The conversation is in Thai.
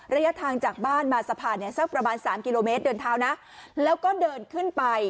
ระยะทางจากบ้านมาสะพานเนี่ยสักประมาณสามกิโลเมตรเดินเท้านะแล้วก็เดินขึ้นไป